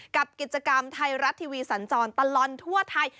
กับกิจกรรมไทยรัฐทีวีสันจรตลอดทั่วไทย